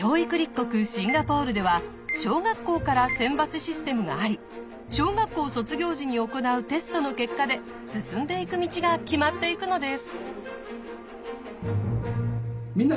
シンガポールでは小学校から選抜システムがあり小学校卒業時に行うテストの結果で進んでいく道が決まっていくのです。